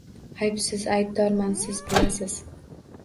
Aybsiz aybdorman, siz bilasiz.